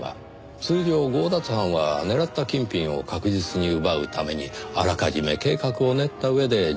通常強奪犯は狙った金品を確実に奪うためにあらかじめ計画を練った上で実行に移します。